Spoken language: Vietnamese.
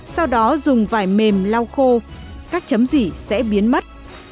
sau đó dùng vải mềm lau khô các chấm dỉ sẽ biến mất